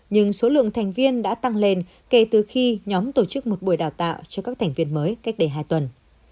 nhưng số lượng thành viên đã tăng lên kể từ khi nhóm tổ chức một buổi đào tạo cho các thành viên mới cách đây hai tuần